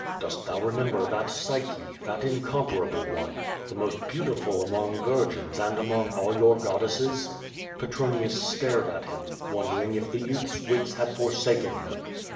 Dost thou rememljer that Psyche, that incomparable one, the most beautiful among virgins and among all your goddesses?" Petronius stared at him, wondering if the youth's wits had forsaken him.